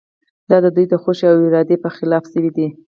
دا د دوی د خوښې او ارادې په خلاف شوې ده.